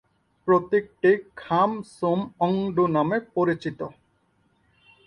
প্রতীকটি "খাম-সুম-অংডু" নামে পরিচিত"।"